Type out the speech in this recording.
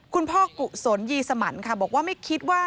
คุณพ่อกุศลยีสมันค่ะบอกว่าไม่คิดว่า